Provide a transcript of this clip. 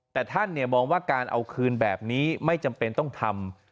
แต่ท่านมองว่าการเอาคืนแบบนี้ไม่จำเป็นต้องทำ